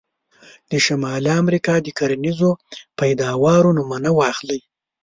د شمالي امریکا د کرنیزو پیداوارو نومونه واخلئ.